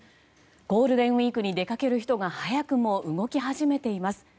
ゴールデンウィークに出かける人が早くも動き始めています。